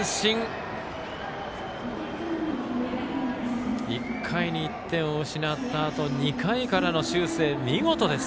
辻井、１回に１点を失ったあと２回からの修正、見事です。